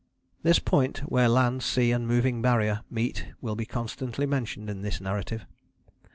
This point where land, sea and moving Barrier meet will be constantly mentioned in this narrative.